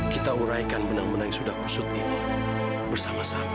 kita uraikan benang benang yang sudah kusut ini bersama sama